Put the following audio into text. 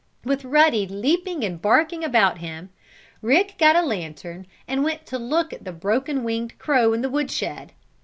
With Ruddy leaping and barking about him, Rick got a lantern and went to look at the broken winged crow in the woodshed.